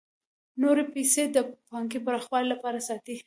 نورې پیسې د پانګې پراخوالي لپاره ساتي